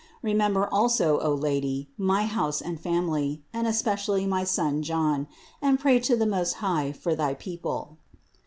Remember also, O Lady, my house and family, and especially my Son John, and pray to the Most High for thy people."